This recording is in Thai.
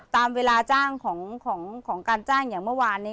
ตามเวลาจ้างของการจ้างอย่างเมื่อวานนี้